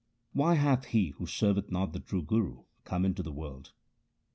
Why hath he who serveth not the true Guru come into the world